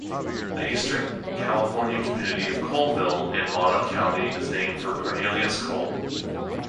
The eastern California community of Coleville in Mono County is named for Cornelius Cole.